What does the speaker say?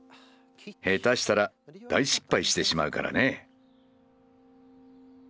下手したら大失敗してしまうからね。